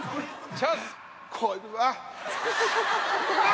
チャーンス！